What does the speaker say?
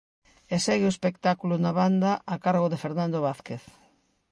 E segue o espectáculo na banda a cargo de Fernando Vázquez.